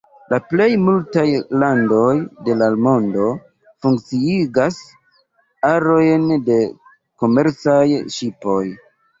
La plej multaj landoj de la mondo funkciigas arojn de komercaj ŝipoj.